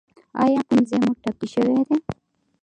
ایا کوم ځای مو ټپي شوی دی؟